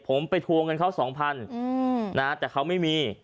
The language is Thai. ผมไปทวงเงินเขา๒๐๐๐แต่เขาไม่มี